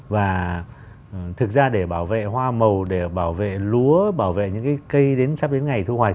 và thực ra để bảo vệ hoa màu để bảo vệ lúa bảo vệ những cây đến sắp đến ngày thu hoạch